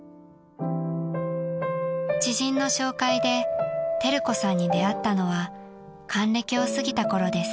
［知人の紹介で輝子さんに出会ったのは還暦を過ぎたころです］